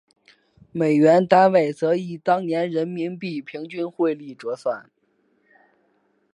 美元单位则以当年人民币平均汇率折算。